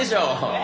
え？